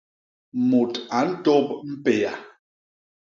Mut a ntôp mpéa.